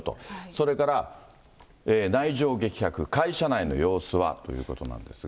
それから、内情激白、会社内の様子はということなんですが。